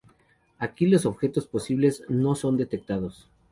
Aquí los objetos posibles no son detectados.